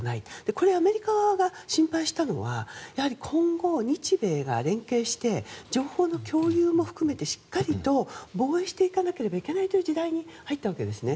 これはアメリカ側が心配したのはやはり今後、日米が連携して情報の共有も含めてしっかりと防衛していかなければいけない時代に入ったわけですね。